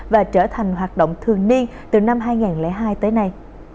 và trở thành hoạt động thường niên từ năm hai nghìn hai tới nay